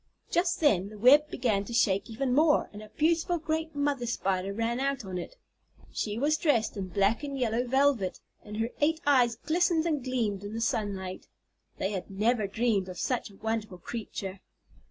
Just then the web began to shake even more, and a beautiful great mother Spider ran out on it. She was dressed in black and yellow velvet, and her eight eyes glistened and gleamed in the sunlight. They had never dreamed of such a wonderful creature.